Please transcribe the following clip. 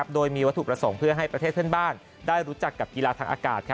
โดยมีวัตถุประสงค์เพื่อให้ประเทศเพื่อนบ้านได้รู้จักกับกีฬาทางอากาศ